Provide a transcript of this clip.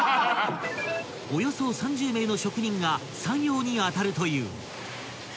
［およそ３０名の職人が作業に当たるという］